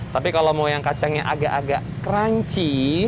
tapi kalau mau yang kacangnya agak agak crunchy